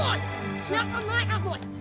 bos siapkan mereka bos